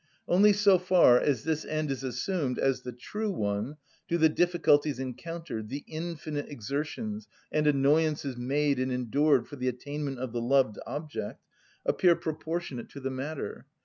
Only so far as this end is assumed as the true one do the difficulties encountered, the infinite exertions and annoyances made and endured for the attainment of the loved object, appear proportionate to the matter.